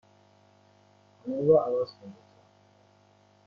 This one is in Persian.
کانال را عوض کن، لطفا.